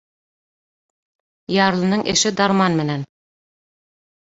Ярлының эше дарман менән.